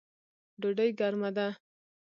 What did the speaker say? ډوډۍ ګرمه ده